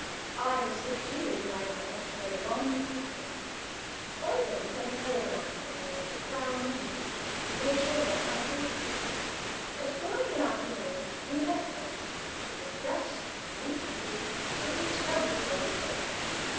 I have subdued my life to the one purpose." Eugen sent a telegram from Emmerich to Frau Mittendorf to reassure her as to my safety. At four in the afternoon we left that town, refreshed and rehatted, to reach Elberthal at six.